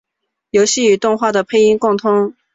游戏与动画的配音共通。